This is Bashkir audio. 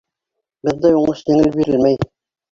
Бындай уңыш еңел бирелмәй.